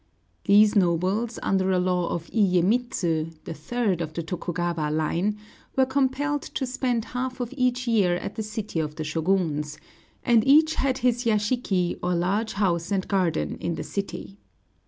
These nobles, under a law of Iyémitsŭ, the third of the Tokugawa line, were compelled to spend half of each year at the city of the Shōguns; and each had his yashiki, or large house and garden, in the city.